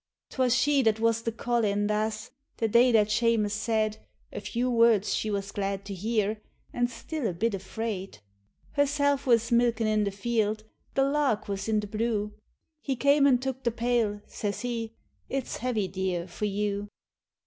'Twas she that was the colleen dhas the day that Shemus said A few words she was glad to hear, an' still a bit afraid. 70 IRELAND REVISITED Herself was milkin' in the field, the lark was in the blue : He came an' took the pail ; says he, " It's heavy, dear, for you."